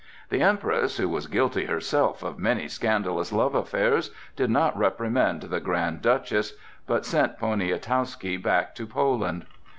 The Empress, who was guilty herself of many scandalous love affairs, did not reprimand the Grand Duchess, but sent Poniatowski back to Poland.